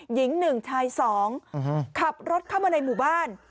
หญิง๑ชาย๒ขับรถเข้ามาในหมู่บ้าน